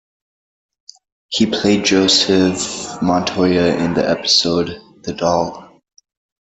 He played Joseph Montoya in the episode "The Doll".